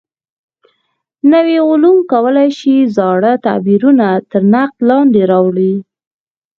نوي علوم کولای شي زاړه تعبیرونه تر نقد لاندې راولي.